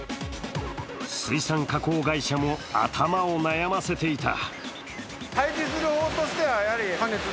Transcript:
水産加工会社も頭を悩ませていた。